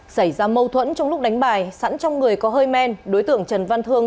xảy ra mâu thuẫn trong lúc đánh bài sẵn trong người có hơi men đối tượng trần văn thương